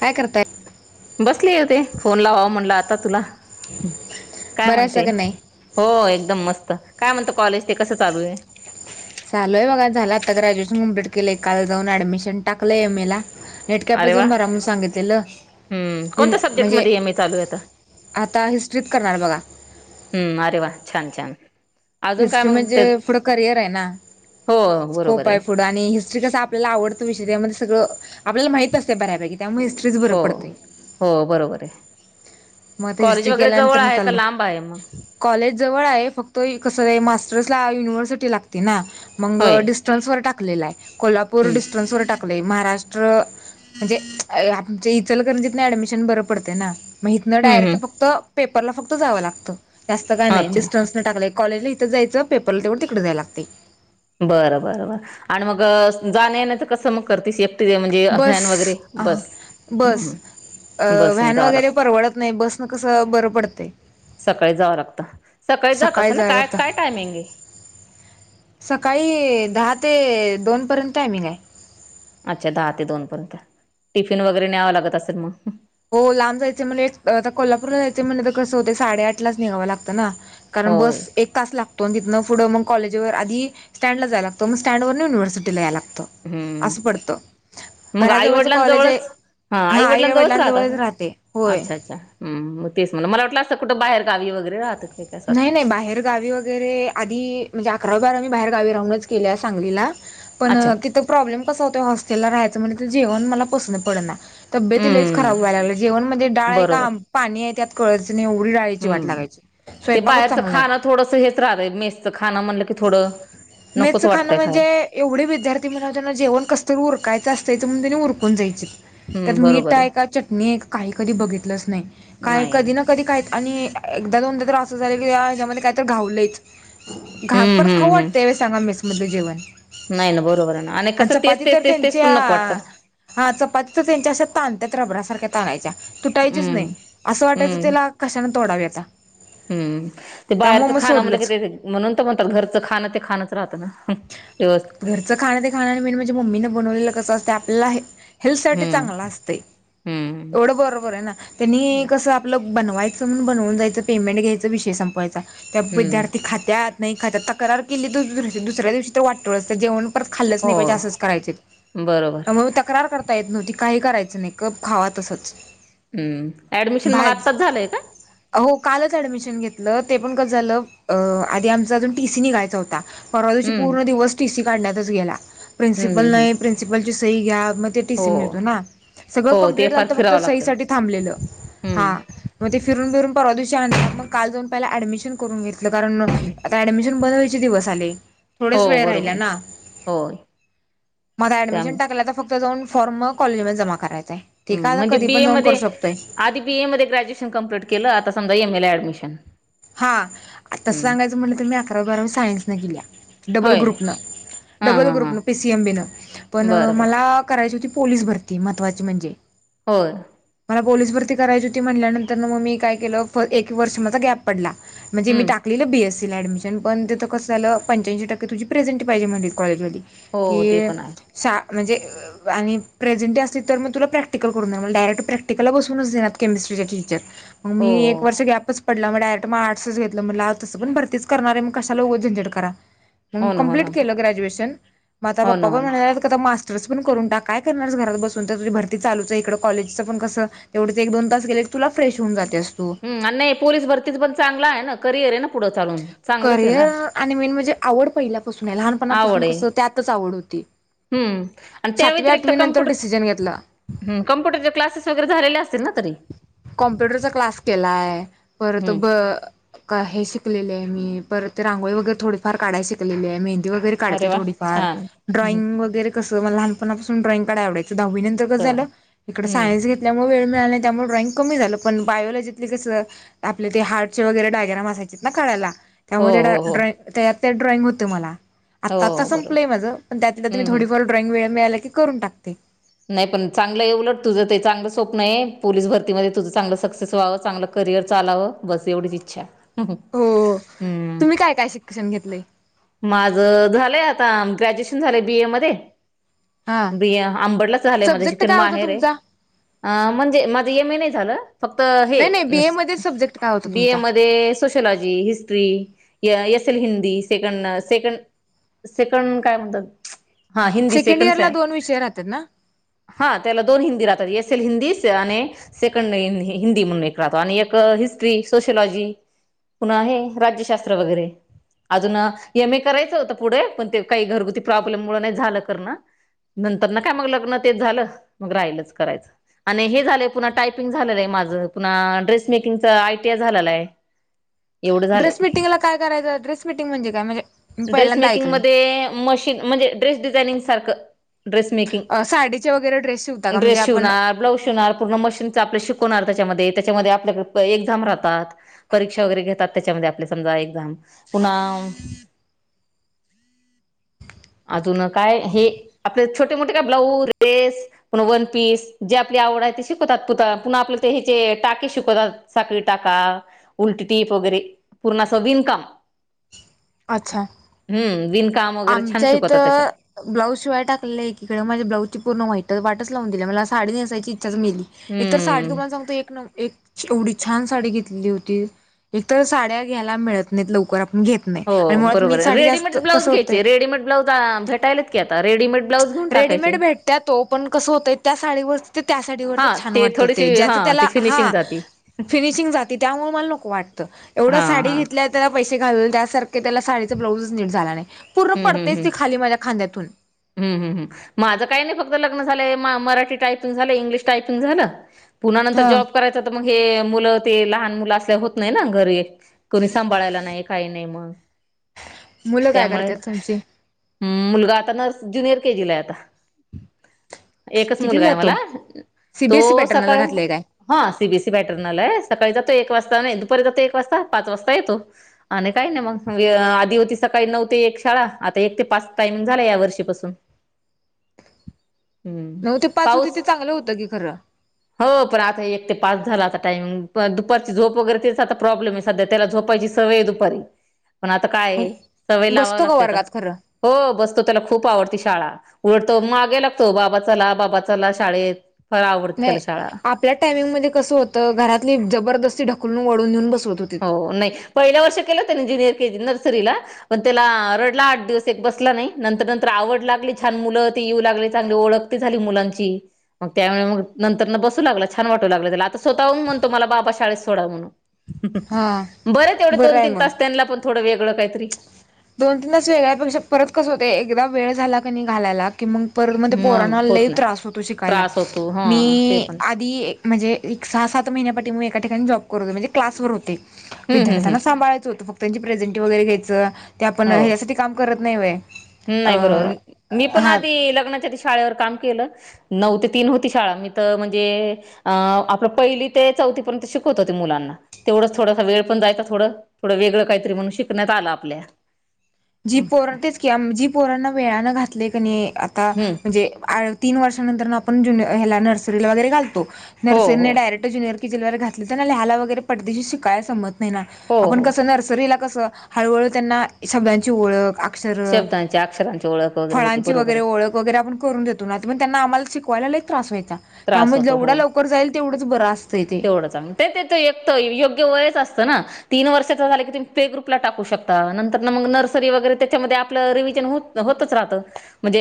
काय करताय बसली होते, फोन लावावं म्हणटलं आता तुला काय बरं असं म्हणते? का नाही हो एकदम मस्त काय म्हणत कॉलेज ते कसं चालू आहे? चालूय बघा झालं आता ग्रॅज्युएशन कंप्लीट केलंय, काल जान ऍडमिशन टाकलंय एम ए ला नेट कॅफेत अरे वा जाऊन भरा म्हणून सांगितलेलं, हम्म कोणत्या सब्जेक्ट म्हणजे मध्ये एम ए चालू आहे आता आता हिस्ट्रीत करणार बघा हम्म, अरे वा छान! छान! अजून काय हिस्ट्री मग म्हणजे ते पुढं करिअर आहे ना हो बरोबर स्कोप आहे पुढं आणि हिस्ट्री कसं आपल्याला आवडतं विषय त्यामध्ये सगळ आपल्याला माहित असते बऱ्यापैकी त्यामुळे हिस्ट्रीच बरं हो पडतंय. हो बरोबर आहे म ते कॉलेज हिस्ट्री वगैरे जवळ केल्यानंतर आहे का चालले, लांब आहे मग कॉलेज जवळ आहे, फक्त कस मास्टर्स युनिव्हर्सिटी लागते ना मग होय डिस्टन्स वर टाक ला आहे कोल्हापूर हम्म डिस्टन्स वर टाकलंय महाराष्ट्र र म्हणजे आमच्या इचलकरंजीतन ऍडमिशन बरं पडते ना मग इतणं हम्म डायरेक्ट हम्म फक्त पेपरला फक्त जावं लागतं, जास्त काय नाही अच्छा डिस्टन्स नं टाकले कॉलेजला इथंच जायचं, पेपरला तेवढं तिकडें जायला लागतय. बरं, बर, बर, आणि मग जाणं-येण्याचं कसं मग करतीस? म्हणजे बस व्हॅन वगैरे, बस? अ बसने व्हॅन जावं लागतं वगैरे परवडत नाही, बस न कसं बरं पडतंय. सकाळी जावं लागतं. सकाळी जातासा ना जायला काय लागतं काय टायमिंग आहे? सकाळी दहा ते दोनपर्यंत टाइमिंग आहे. अच्छा दहा ते दोन पर्यंत, टिफिन वगैरे न्यावं लागत असेल मग? हो, लांब जायच म्हण आता कोल्हापूरला जायच म्हणलं तर कसं होते साडेआठ लाच निघावं लागतं ना. कारण होय बस एक तास लागतो तो तिथनं पुढं मग कॉलेजवर आधी स्टँड ला जाय लागतं, मग स्टँडवर युनिव्हर्सिटीला याय लागतं. हम्म, असं पडतं मग घराजवळचं आईवडिलां कॉलेज आहे जवळच हा आई आईवडिलां जवळच रा वडिलांजवळच तात, राहते होय अच्छा! अच्छा! तेच म्हण मला वाटलं अस कुठे बाहेर गावी वगैरे राहतात. काय काय असं नाही! वाटलं नाही! बाहेर गावी वगैरे आधी म्हणजे अकरा बारावी बाहेरगावी राहूनच केल्या सांगलीला, पण अच्छा तिथं प्रॉब्लेम कसा होतो होस्टेलला राहायाचं म्हणलं की जेवण मला पसंत पडना, तब्येती लईच हम्म खराब व्हाय लागल्या, जेवण म्हणजे डाळ आहे बरोबर का पाणी आहे त्यात कळच नाही आवडी डाळायची वाट हम्म लागयची. ते बाहेरचं खाण थोडंसं हेच राहत मेसचं खाण म्हणलं की थोडं नकोच मेसचं खाणं वाटतंय म्हणजे खायला एवढे विद्यार्थी म्हणाव त्यांना जेवण कसतरी उरकायचं असतंय. म्हणून तेनी उरकून जायचीत. हम्. त्यात मीठ आहे काय? चटणी काय? कधी बघितलंच नाही, काय नाही कधी ना कधी काही आणि एकदा जर अस झालय की काहीतरी घावलंयच घालताना हम्म परत खर हम्म हम्म वाटतंय सांगा मिस मध्ये जेवन नाही ना बरोबर आहे ना आणि कसं तर तेचतेच तेचतेच त्यांच्या पण नको वाटतय हा चपाती त्यांच्या अशा त्यात रबरा सारख्या तानायच्या, तुटायचीच हम्म नाही असं वाटायचं की हम्म त्याला कशान तोडावे आता हम्म ते त्यामुळे बाहेरचं मग खाण सोडलंच. म्हणल म्हणून तर म्हणतात घरचं खाण ते खाणंच राहतं ना व्यवस्थित घरचं खाणं ते खान, मेन म्हणजे मम्मी न बनवलेलं कसं असत आपल्याला हे हेल्थसाठी हम्म चांगला असते, हम्म एवढं बरोबर आहे ना त्यांनी हम्म कसं आपलं बनवायचं चं म्हणून बनवून जायचं, पेमेंट घ्यायच विषय संपवायचा त्या हम्म विद्यार्थी खात्यात नाही खात्यात तक्रार केली, तर दुस दुसऱ्या दिवशी तर वाटोळच, जेवण खरचं खाल्लच हो नाही पाहिजे असच करायचेत, बरोबर त्यामुळे तक्रार करता येत नव्हती. काही करायचं नाही गप्प खावा तसंच हम्म ऍडमिशन मग बाहेर आत्ताच झालंय काय? हो कालच ऍडमिशन घेतलं ते पण कसं झालं अअ आधी आमचा अजून टी सी निघायचा होता परवादिवशी हम्म पूर्ण दिवस टी सी काढण्यातच गेला, हम्म हम्म प्रिन्सिपल्स हम्म नाही प्रिन्सिपलची सई घ्या मग ते टी हो सी मिळतो ना सगळं हो ते कंप्लीट फार झालत, फक्त फिरावं लागतंय सईसाठी थांबलेलं हम्म हा मग ते फिरून फिरून परवा दिवशीं आणल मग काल जाऊन पहिला ऍडमिशन करून घेतलं कारण मग आता डमिशन बनवायचे दिवस आले. हो थोडेच वेळ बरोबर आहे राहियलयना, होय मग आता ऍडमिशन त्यामुळे टाकलं फक्त जाऊन फॉर्म कॉलेजला जमा कराय हम् म्हणजे बीए मध्ये आदी बीए मध्ये ग्रॅज्युएशन कंप्लीट केलं, आता समजा एम. ए. ला ऍडमिशन हा तसं हम्म सांगायचं म्हटलं तर मी अकरावी बारावी सायन्स नही केल्या डब्बल होय ग्रुपनं हां डब्बल हां हां ग्रुपनं, पी सी एम बीनं पण बरं बरं मला करायची होती पोलीस भरती ना महत्त्वाची म्हणजे होय. मला पोलीस भरती करायची होती मनाल्या नंतर ना, मग मी काय केलं एक वर्ष मध्ये गॅप पडला म्हणजे मी हम्म टाकलेलं बीएस तिला एडमिशन पण तिथ कस झाल पणच्याऐशी टक्के तुझीे प्रेझंटी पाहिजे म्हटली कॉजलेमध्यी हो ते के पण आहे सा म्हणजे अ आणि प्रेझेंटी असली तर मग तुला प्रॅक्टिकल करून देणार डायरेक्ट प्रॅक्टिकला बसूनच देणार केमिस्ट्री तिला नक्की विचार हो मी हो एक वर्ष गप‌च पडला मग आठशे एक नंबरला तसं पण भरतीच करणार आहे मग कशाला उगो झंणझट करा हो ना हो ना कल्पीट केल हो ग्रजऐशन मग आता मग ना हो पप्पा ना म्हणाल्यात आहेत की मास्टर पण तस करून टाका काय करणार घरात बसून तर तस भरती चालूच आहे इकडे कॉलेजचं पण कस तेवढंच एक दोन तास गेले तुलाच फ्रेश होऊन जातेस तू हम आणि नाही पोलीस भरतीच पण चांगलाय आहे ना करिअर आहे ना पुढं चालून चांगलंच आहे ना करिअर आणि मेन म्हणजे आवड पहिल्यापासून आहे लहानपणापासून आवड आहे कसं त्यातच आवड होती हम्म आणि त्या सातवी व्यतिरिक्त आठवी नंतर डिसिजन घेतला कॉम्प्युटर कॉम्प्युटरचे क्लासेस वगैरे झाले असतील तरी कॉमप्युटरचा क्लास केलाय परत हम्म ब स्कॉलर शिप शिकलेले आहे मी परत रांगोळी वगैर थोडेफार काढायला शिकलेली आहे मी अरे वा थोडीफार छान हम्म, ड्राईग वगैरे कस लहानपणापासून ड्रॉईंग काढायला आवडते दहावी नंतर कस सवय झालं इकडे हम्म सायन्स घेतल्यामुळे वेळ मिळाला नाही त्यामुळे डॉइंग कमी झालं पण बायोलॉजीतल कसं आपले ते हार्टचे वगैरे डायग्राम असायचेत ना काढायला हो त्यामध्ये हो हो ड्रॉइंग त्यात ड्रॉइंग होत मला आत्ता आत्ता हो बरोबर संपलंय माझ पण त्यात मी हम्म हम्म थोडीफार ड्रॉइंग वेळ मिळाला की करून टाकते नाही पण चांगलय आहे उलट तुझं ते चांगल स्वप्न आहे पोलीस भरती व्हायच तुझं चांगलं सक्सेस व्हावं चांगलं करिअर चालावं बस ऐवढीच इच्छा आहे हो हम्म तुम्ही काय काय शिक्षण घेतलंय माझ झालंय आता ुी हा ब मध्ये सब्जेक्ट शिकन काय होता माहेर आहे तुमचा? अ म्हणजे माझं एमही नाही झालं फक्त हे नाही नाही न बीए मध्ये सब्जेक्ट काय होता बी ए तुमचा? मध्ये सोशलॉजी हिस्ट्री असल हिंदी सेकंड सेकंड सेकंड काय म्हणतात हा हिंदी सेकंड सेकंडस इयरला आहे दोन विषय राहतात ना? हा त्याला दोन हिंदी राहतात एस एल हिंदी आणि सेकंड हिंदी म्हणून एक राहतो आणि हिस्ट्री सोशलॉजी पुन्हा आहे राज्यशास्त्र वगैरे अजून एम ए करायचं होतं पुढे पण ते काही घरगुती प्रॉब्लेम मु नाही झालं करण नंतर ना काय मग लग्न तेच झालं मग राहिलच करायचं आणि हे झालंय पुन्हा टायपिंग झालेलं आहे माझं पुन्हा ड्रेस मेकिंगच आयटीआ झालेलं आहे [unintelligible] ड्रेस झालंय मिटिंगला काय करायचं ड्रेस मिटिंग म्हणेय म्हजे ड्रेस मेकिंगमध्ये मशीन म्हणजे ड्रेस डिझायनिंग सारखं ड्रेस अ साडीचे वगैरे ड्रेस शिवता मेकिंग का? म्हणजे ड्रेस आपण शिवणार ब्लाउज शिव पूर्ण मशीन आपल्या शव कोणार त्याच्यामध्ये त्याच्यामध्ये आपल्याक एक्झाम राहतात परीक्षा वगैरे घेतात त्याच्यामध्ये आपले समजा एक्झाम पुन्हा ह अजून काय हे आपले छोटे मोठे काय ब्लाऊज रेस पण वन पीस जे आपली शवत पु्हा आप हचे टाके शिकवतात साळी टाका उलटी टीप वगैरे पूर्णा विनकाम अच्छा ह विन आमच्या इथं ब्लाउज शिवाय टाकलेलं आहेीकडे म्हजे ब्लाऊजची पूर्ण वाईट वाटच लावून दिल्या मला साडी नेसायची इच्छाच मिळाली एक तर साडी हम्म तुम्हाला सांगतो एक एक एवढी छान साडी घेतली होती एकत साड्या घ्यायला मिळत नाहीत लवकर आप घेत नाही आणि मुळात मी साडी जास्त कस हो रेडमे ब्उज भेटाय की आता रेडीमेड ब्लाऊज घेऊन रेडीमेड टाकायचे भेटत तो पण कसं होतय त्या साडीवर ते हा त्यासाठीवरच छान वाटत थोडीशी ते हा ज्याच ती त्याला हा फिनिशिंग जाती फिनिशिंग जाते त्यामुळे मला नकं वाटतं एवढं हा साडी हा घेतल्या त्याला पैसे घालल त्यासारखं त्याला साडीचा ब्लाउजच नीट झाला नाही पूर्ण पडतेच ती खाली माझ्या खांद्यातून ह् ह् माझं काही नाही फक्त लग्न झालंय मराठी टायपिंग झालं इंग्लिश टायपिंग झालं पुनंतर हा जॉब करायचं तर मग हे मुलं ते लहान मुलं असल्या होत नाही ना घरी कोणी सांभाळायला नाही काही नाही मग मुलं काय त्यामुळे् करतात तुमची मुलगा आता न र केजीला आता एकच कितीला मुलगा आहे जातो मला सीबीएसई तो पॅटर्नला सकाळ घातलंय काय हा सीबीसी बॅटर्नल आहे सकाळी ज तो एक वाजता एक वाजता पाच वाजता येतो आणि काही नाही मग आधी होती सकाळी नऊ ते एक शाळा आता एक ते पाच टाइमिंग झाला या वर्षीपासून हम्म नऊ ते पाच होती पाऊस ते चांगलं होतं की खरं हो प आता एक ते पाच झाला आता टाइम दुपारची झोप वगैरे तेता प्रॉब्लेम आहे सध्या त्याला झोपायची सवय दपारी पण आता काय सवय लावा बसतो का लागते वर्गात खरं आ ब त्याला खूप आवडती शाळा उलडतो मागे लागतो बाबाचाला बाबाचाला शाळेत फार आवडत नाही आपल्या टायमिंग मध्ये कसं होतं घरातली जबरदस्ती ढकलून वळून घेऊन बस हो नाही पहिल्या वर्ष केलं त्याड नाही आव छ मु येऊ लाग चांग ओळख झाली मुलांची मग त्या मग नंतर बसू लागला छान वाट आता स्वतःहून म्हणतो मला बाबा शाळेत सोडा म्हणून हा बरं तेवढं दोन आहे तीन मग तास त्यांला पण थोडं वेगळं काहीतरी. दोन तीनच वेगळ्यापेक्षा परत कसं होतय एकदा वेळ झाला कनी घालायला कि मंग परत म ते मग पोरांना लई होत नाही त्रास होतो शिकायला त्रास होतो हा मी ते पण आधी एक म्हणजे सहा सात महिन्या पाठीमागं एका ठिकाणी जॉब करतो म्हणजे क्लासवर होते हम्म हम्म हम्म विद्यार्थ्यांना सांभाळायचं होत फक्त त्यां प्रेझेंटी वगैरे घ्यायचं ते आपण हो हेयासाठी काम करत नाही व्हय. नाही बरोबर मी पण आधी लग्नाच्या आधी शाळेवर कामकेलं नऊ ते तीन होती शाळा मीत मंजे अम्म आपल पहिली ते चौथी पर शिकवत होते मुलांना तेवढंच थोडासा वेळ पण जायचा थोडं थोडं वेगळं काहीतरी म्हणून शिकण्यात आल आपल्या. [inaudible] जी पोरण हम्म तेच की उम्म जी पोराना वेळाानं घातलय नई आता म्हणजे आ तीन वर्षानंतर आपण जून हेला नर्सरीला वगैरे घालतो हो नर्सरीने हो नाही डायरेक्ट ज्युियर [unintelligible] घातलं त्यांना ल्याह्याला वगैरे पटदीशी शिकायं समत नाही ना हो आपण हो कस नर्सरीला कस हळूहळू त्यांना शब्दांची ओळख अक्षर शब्दांच्या अक्षरां फळांची वगैरे ओळख वगैरे आपण करून देतो ना त्रास व्हायचा त्रास त्यामुळे होतो जेवढ्या हो लवकर जाईल तेवढंच बरं अस तेवढं चांग ते तेच एकत योग्य वयच असतं ना. तीन वर्षाचा झालं की तुम्ही प्ले ग्रुपला टाकू शकता नंतरन मंग नर्सरी वगैरे त्याच्यामध्ये आपलं रिव्हिजन होत. होतं.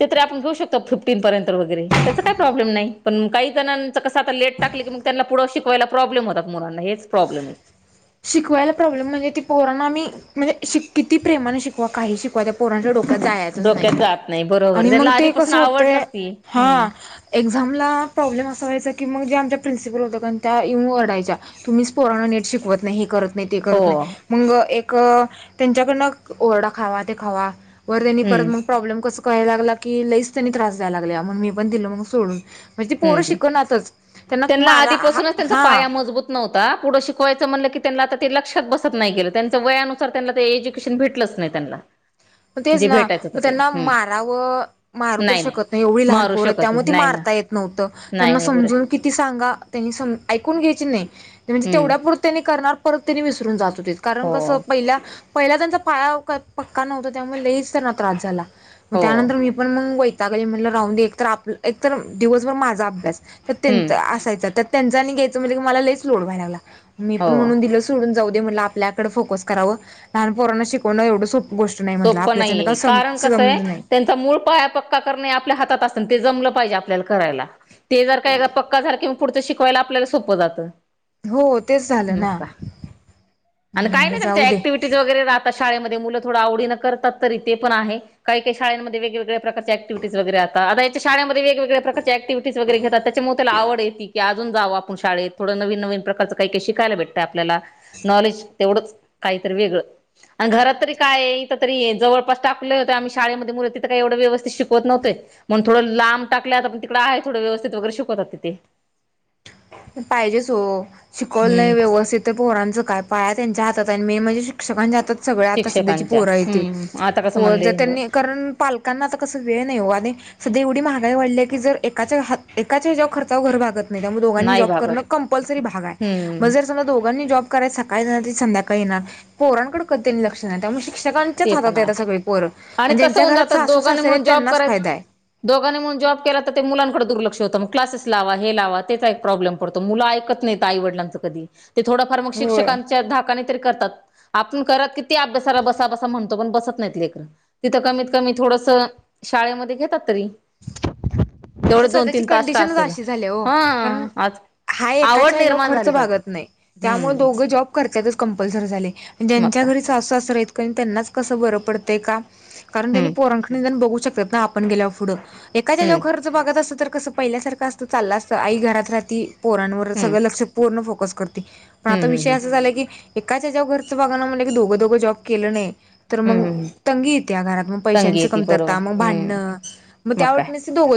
ते तरी आपुन. तर वगैरे त्याचा काही प्रॉब्लेम नाही पण काही जणांचं मुलांना हेच प्रॉब्लेम ये. [inaudible] जायचच नाही डोक्यात जात नाही बरोबर आणि मग त्यांना ते आधीपासून कसं आवड होतय नसती हम्म हां एक्झामला प्रॉब्लेम असा व्हायचा की मग जे आमच्या प्रिन्सिपल होतं कन त्या येऊन ओडायच्या तुम्हीच पोरांना नीट शिकवत नाही हे करत नाही ते करत हो नाही मंग एक त्यांच्याकडन ओरडा खावा ते खावा. वर त्यांनी परत हम्म मग प्रॉब्लेम कस करायला लागला की लई हम्म हम तेनला मारा आधीपासूनच त्यांचा हा पाया म तेनला आता ते लक्षात बसत नाही की र त्यांच वयानुसार त्यांला ते एज्युकेशन भेटलंच नाही त्यांला. म तेच ना, [unintelligible] [unintelligible] नाही नाही मारू शकत नाही नाही ना त नाही त्यांना नाही समजून बरोबर किती सांगा त्यांनी सम ऐकून घ्यायचे नाही नाही म्हणजे हम्म तेवढ्या नार परत तेनी विसरून जात होतीत कारण कस हो पहिल्या पहिल्याज्यांचा पाया पक्का न्हवता. त्यामुळं लईच त्यांना त्रास झाला म हो त्यानंतर मी पण मंग वै जाग आली म्हणलं राहून दे एक तर आप एक तर दिवसभर माझा अभ्यास त हम्म त्यांचा असायचा त्या त्यांच आनी घ्यायचं म्हणजे की मला लईच लोड व्हाय लागला मी हो पण म्हणून दिल सोडून जाऊ ते म्हणलं आपल्याकडं फोकस करावं. नाही म्हटलं सोपप आपल्याच्यान का नाहीये सम कारण कसय समज नाही. त्यांचा मूळ पाया पक्का करणे आपल्या हातात अस पण ते जमलं पाहिजे आपल्याला करायला ते जर का एकदा पक्का झालं कि मग पुढचं शिकवायला आपल्याला सोप्प जातं. हो तेच झालं म ना का मग अन् काय म्हटलं नाही जाऊ त्यांचे दे. ऍक्टिव्हटीज वगैरे राह अस शाळेमधे मुलं थोड आव बेन करतात तरी ते पण आहे काहीकाही शाळेंमधे वेगवेगळ्या प्रकारचे अँक्टिव्हिटीस वगैरे असतात आता हेच्या शाळेमधे वेगवेगळ्या प्रकारच्या अँक्टिव्हिटीस वगैरे घेतात त्याच्यामु तेला आवडये ती की अजून जावं आपुन शाळेत थोडं नवीन नवीन प्रकारचं काही काही शायला भेटतंय आपल्याला नॉलेज तेवढंच काही तरी वेगळं अन् घरात तरी काय तर तरी जवळपास टाकलं त आम्ही शाळेमध्ये मुलं तिथ काय एवढं व्यवस्थित शिकवत नव्हते म्हणून थोडं लांब टाकल. [unintelligible] पण तिकडं आहे थोड व्यस्थित वगैर शिकवतात तिथे. पाहिजेच हो शिकवलं नाही हम्म व्यवस्थित पोरांचं काय पाया त्यांच्या हा त त्यांनी म्हणजे शिक्षकांच्या हातात सगळ्या आता सध्याची शिक्षकांच्या पोर हायती. हम्म आता प कसं ज म्हणले त्यांनी कारण पालकांना आता कस वेळ नाही हो सध्या एव नाही [unintelligible] करणं भागत. कॉम्पल्सरी भाग आहे. हम्म सकाळी संध्याकाळी येणार पोरकडे कडे कधी लक्ष शिक्षकांच्याच ते पण हातात येत आहे सगळी पोर आणि कसं ज्यांच्या होऊन घरात जातात सासू दोघांनी सासरें म्हणून आहेत जॉब त्यांनाच कराय फायदा आहे. दोघांनी म्हून जॉब केला तर ते मुलांकडे दुर्लक्ष होतं मग. क्लासेस लावा हे लावा त्याचा एक प्रॉब्लेम पडतो मुलं ऐकत नाही आईवडलांच कध ते थोडंफार मग होय शिक्षकांच्या धाकाने तरी करतात आपण करत कि ते अभ्यासाला बसास म्हणतो पण बसत नाही लेकर तिथं कमीत कमी थोडस शाळेमध्ये घेतात तरी. तेवढे दोन सध्याची तीन तास का कंडिशनच असेल अशी झाले हो हा कारण. आज हा आवड एकाच्या निर्माण खर्च झाली पाहिजे भागत नाही त्यामुळे हम्म दोघं जॉब करर्तच कंपल्सरी झाले मग ज्यांच्या काय घरी सासू सासरे आहे का त्यांनाच कसं बरं पडतंय काम कारण त्यांनी हम्म पोरं कडे बघू शकतात ना आपण गेल्यावर पुढं एकाच्या् हम्म याच्या वर घर त अस तर कस पहिल्यासारखं असतं चाललं असतं आई घरात राहती पोरांवर हम्म सगळं लक्ष पूर्ण फोकस करत. पण आता हम्म हम्म विषय हम्म असं झाला की एकाच्या ज्याव घरचं बघाणं म्हण की दोघं दोघं जॉब केलं नाही. तर मग हम्म हम्म तंगी येत्या घरात मग तंगी पैशांची येती बरोबर कमतरता मग हम्म भांडणं मग त्या वाटने दोघ